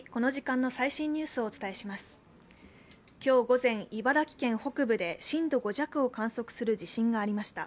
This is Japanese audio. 今日午前、茨城県北部で震度５弱を観測する地震がありました。